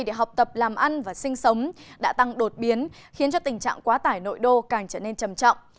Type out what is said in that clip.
để học tập làm ăn và sinh sống đã tăng đột biến khiến cho tình trạng quá tải nội đô càng trở nên trầm trọng